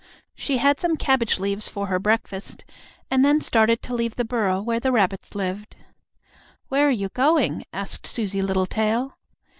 She had some cabbage leaves for her breakfast, and then started to leave the burrow where the rabbits lived. "Where are you going?" asked Susie Littletail.